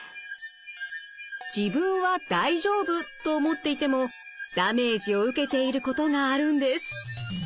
自分は大丈夫と思っていてもダメージを受けていることがあるんです。